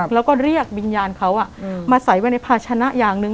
แล้วก็เรียกวิญญาณเขามาใส่ไว้ในภาชนะอย่างหนึ่ง